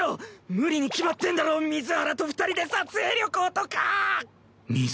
無理に決まってんだろ水原と二人で撮影旅行とか！